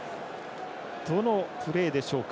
どのプレーでしょうか。